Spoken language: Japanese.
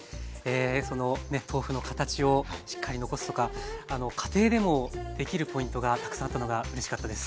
その豆腐の形をしっかり残すとか家庭でもできるポイントがたくさんあったのがうれしかったです。